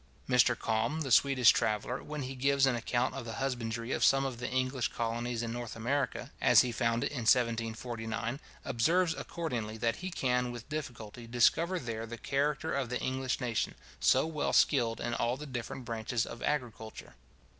Mr Kalm, the Swedish traveller, when he gives an account of the husbandry of some of the English colonies in North America, as he found it in 1749, observes, accordingly, that he can with difficulty discover there the character of the English nation, so well skilled in all the different branches of agriculture.